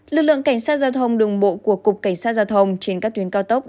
lực lượng cảnh sát giao thông đường bộ của cục cảnh sát giao thông trên các tuyến cao tốc